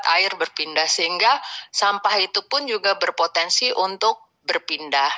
air berpindah sehingga sampah itu pun juga berpotensi untuk berpindah